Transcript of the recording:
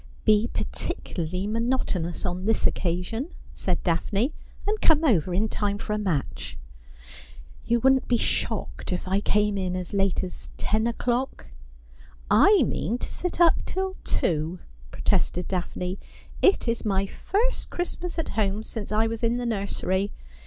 ' Be particularly monotonous on this occasion,' said Daphne, ' and come over in time for a match.' ' You wouldn't be shocked if I came in as late as ten o'clock? '' I mean to sit up till two,' protested Daphne. ' It is my first Christmas at home, since I was in the nursery.